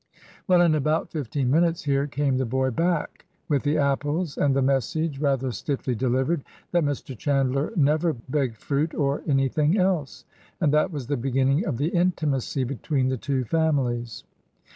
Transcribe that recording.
Well, in about fifteen minutes here came the boy back with the apples and the message, rather stiffly delivered, that Mr. Chandler never begged fruit or anything else. And that was the beginning of the intimacy between the two families.